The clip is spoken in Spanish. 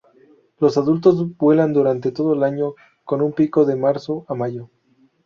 Los adultos vuelan durante todo el año, con un pico de marzo a mayo.